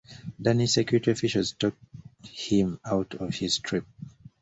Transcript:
Danish security officials talked him out of his trip.